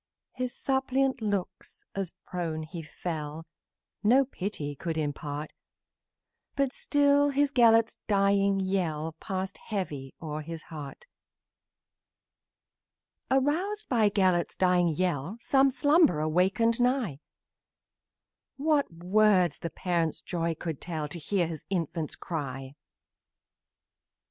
His suppliant, as to earth he fell, No pity could impart, But still his Gelert's dying yell Passed heavy o'er his heart. Aroused by Gelert's dying yell, Some slumberer wakened nigh; What words the parent's joy can tell To hear his infant cry!